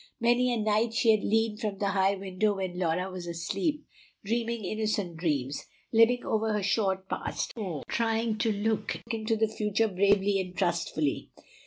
Many a night she had leaned from the high window when Laura was asleep, dreaming innocent dreams, living over her short past, or trying to look into the future bravely and trustfully.